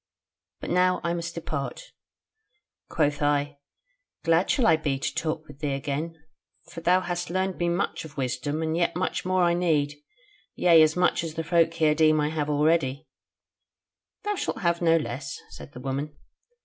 But now I must depart.' Quoth I: 'Glad shall I be to talk with thee again; for though thou hast learned me much of wisdom, yet much more I need; yea, as much as the folk here deem I have already.' 'Thou shalt have no less,' said the woman.